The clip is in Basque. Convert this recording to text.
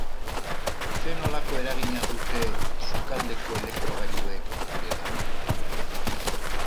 Zer nolako eragina dute sukaldeko elektrogailuek guregan?